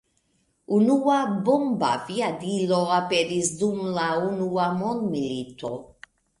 Unua bombaviadilo aperis dum la unua mondmilito.